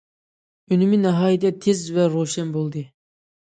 ئۈنۈمى ناھايىتى تېز ۋە روشەن بولدى.